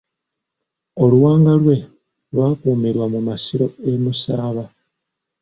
Oluwanga lwe lwakuumirwa mu masiro e Musaba.